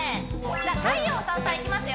じゃあ太陽サンサンいきますよ